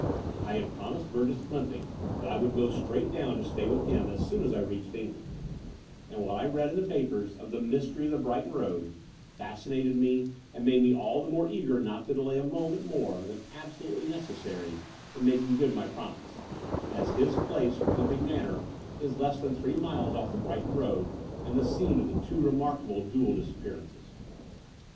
I had promised Burgess Clymping that I would go straight down to stay with him as soon as I reached England; and what I read in the papers of the "Mystery of the Brighton Road " fascinated me, and made me all the more eager not to delay a moment more than absolutely necessary in maJdng good my promise, as his place Clymping Manor is less than three miles off the Brighton Road and the scene of the two remarkable dual disappear ances.